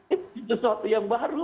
itu sesuatu yang baru